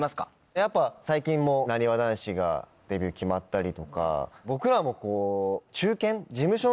やっぱ最近もなにわ男子がデビュー決まったりとか僕らもこう。